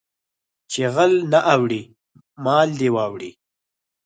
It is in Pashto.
چې غل نه اوړي مال دې واوړي